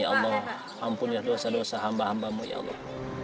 ya allah ampun ya dosa dosa hamba hambamu ya allah